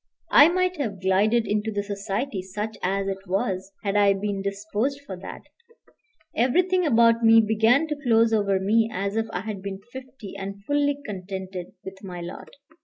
I might have glided into the society, such as it was, had I been disposed for that; everything about me began to close over me as if I had been fifty, and fully contented with my lot.